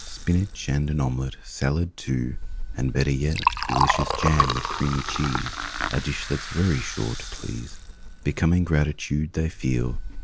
Spinach and an omelette, Salad, too, and better yet Delicious jam with creamy cheese— A dish that's very sure to please! Becoming gratitude they feel.